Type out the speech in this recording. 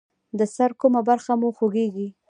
د سر کومه برخه مو خوږیږي؟